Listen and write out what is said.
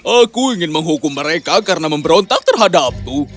aku ingin menghukum mereka karena memberontak terhadapku